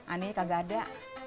ani kagak ada